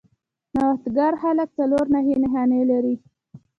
نوښتګر خلک څلور نښې نښانې لري.